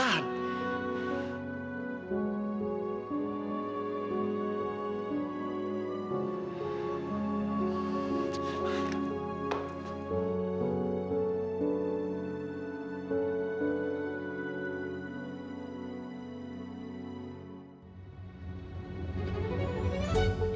aku mau ke rumah